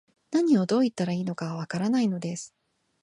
何を、どう言ったらいいのか、わからないのです